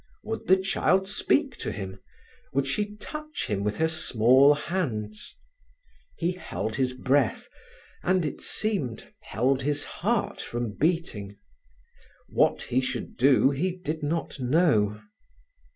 Would the child speak to him? Would she touch him with her small hands? He held his breath, and, it seemed, held his heart from beating. What he should do he did not know.